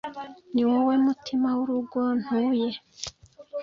ni wowe mutima w` urugo ntuye